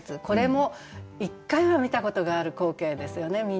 これも一回は見たことがある光景ですよね